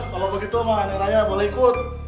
kalo begitu neng raya boleh ikut